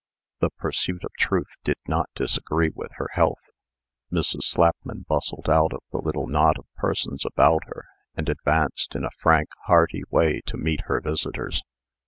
The pursuit of TRUTH did not disagree with her health. Mrs. Slapman bustled out of the little knot of persons about her, and advanced in a frank, hearty way to meet her visitors.